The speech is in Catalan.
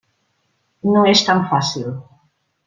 No és tan fàcil.